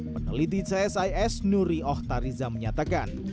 peneliti csis nuri ohtariza menyatakan